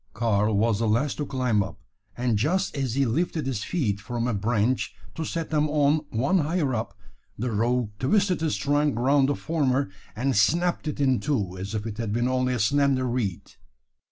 Karl was the last to climb up; and just as he lifted his feet from a branch to set them on one higher up, the rogue twisted his trunk around the former, and snapped it in two, as if it had been only a slender reed.